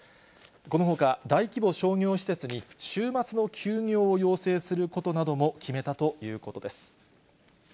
このほか大規模商業施設に週末の休業を要請することなども決めたということです。